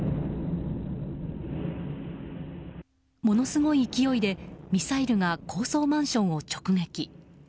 ものすごい勢いでミサイルが高層マンションを直撃。